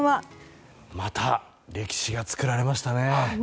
また、歴史が作られましたね。